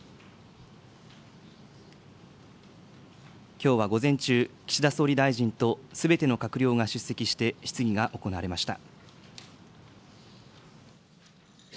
きょうは午前中、岸田総理大臣とすべての閣僚が出席して質疑が行われました。